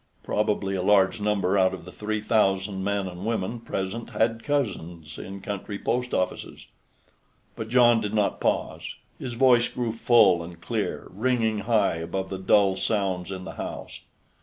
Probably a large number out of the three thousand men and women present had cousins in country post offices. But John did not pause; his voice grew full and clear, ringing high above the dull sounds in the house.